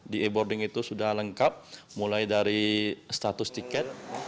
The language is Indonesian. di e boarding itu sudah lengkap mulai dari status tiket